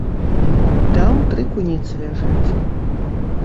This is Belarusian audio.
Там тры куніцы ляжаць.